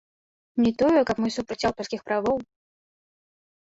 Не тое, каб мы супраць аўтарскіх правоў.